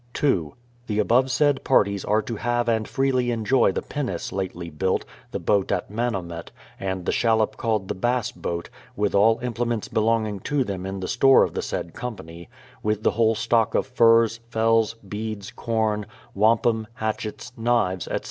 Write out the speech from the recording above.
2. The above said parties are to have and freely enjoy the pin nace lately built, the boat at Manomet, and the shallop called the bass boat, with all implements belonging to them in the store of the said company; with the whole stock of furs, fells, beads, corn, wampum, hatchets, knives, etc.